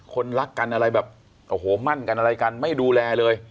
คนรักกันอะไรแบบโอ้โหมั่นกันอะไรกันไม่ดูแลเลย